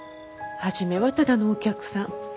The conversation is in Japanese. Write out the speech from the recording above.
初めはただのお客さん。